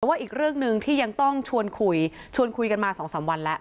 แต่ว่าอีกเรื่องหนึ่งที่ยังต้องชวนคุยชวนคุยกันมา๒๓วันแล้ว